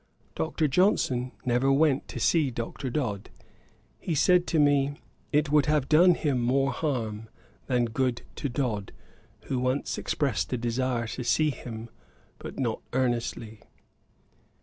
Dr. Johnson never went to see Dr. Dodd. He said to me, 'it would have done him more harm, than good to Dodd, who once expressed a desire to see him, but not earnestly.'